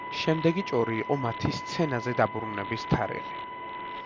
შემდეგი ჭორი იყო მათი სცენაზე დაბრუნების თარიღი.